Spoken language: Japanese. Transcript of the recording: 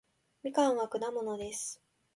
みかんは果物です